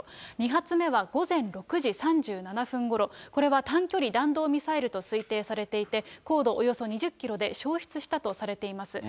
２発目は午前６時３７分ごろ、これは短距離弾道ミサイルと推定されていて、高度およそ２０キロで消失したとされています。